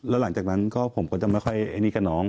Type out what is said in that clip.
แล้วหลังจากนั้นก็ผมก็จะไม่ค่อยไอ้นี่กับน้อง